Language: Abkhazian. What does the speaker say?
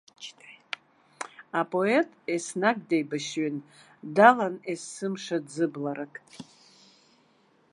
Апоет еснагь деибашьҩын, далан есымша ӡыбларак.